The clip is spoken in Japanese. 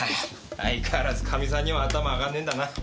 相変わらずカミさんには頭上がんねえんだな。